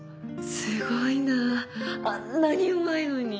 すごいなぁあんなにうまいのに。